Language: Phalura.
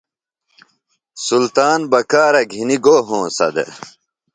سلطان بکارہ گِھنیۡ گو ہونسہ دےۡ؟